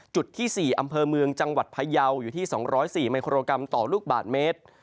จุดที่๔อำเภอเมืองจังหวัดพยาวอยู่ที่๒๐๔มิโครกรัมต่อลูกบาทเมตร